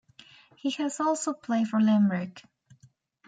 He has also played for Limerick.